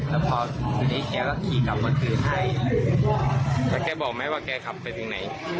แล้วแกบอกไหมว่าแกขับไปถึงไหน